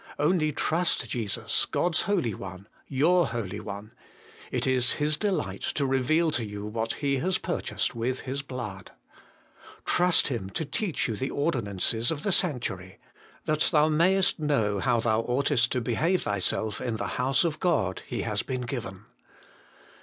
Only trust Jesus, God's Holy One, your Holy One ; it is His delight to reveal to you what He has purchased with His blood. Trust Him to teach you the ordinances of the sanctuary. ' That thou mayest know how thou oughtest to behave thyself in the House of God,' He has been given.